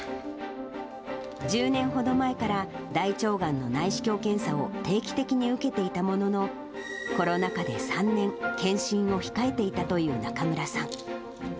１０年ほど前から、大腸がんの内視鏡検査を定期的に受けていたものの、コロナ禍で３年、検診を控えていたという中村さん。